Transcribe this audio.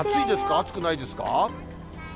暑くないですか。